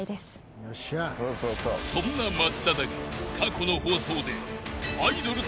［そんな松田だが過去の放送で］